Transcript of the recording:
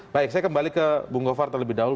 baik saya kembali ke bung govar terlebih dahulu